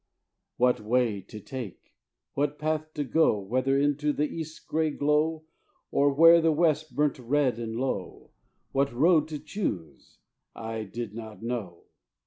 What way to take, what path to go, Whether into the east's gray glow, Or where the west burnt red and low What road to choose, I did not know.